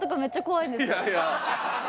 いやいや。